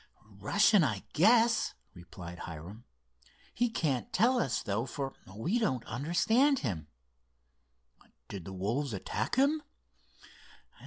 "Russian, I guess," replied Hiram. "He can't tell us, though, for we don't understand him." "Did the wolves attack him?"